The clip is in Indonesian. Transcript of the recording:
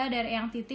dari eyang titik